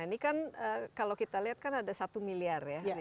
ini kan kalau kita lihat kan ada satu miliar ya